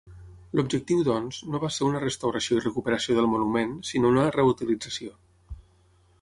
L'objectiu, doncs, no va ser una restauració i recuperació del monument, sinó una reutilització.